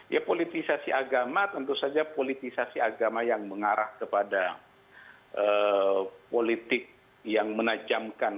ya politisasi agama tentu saja politisasi agama yang mengarah kepada politik yang menajamkan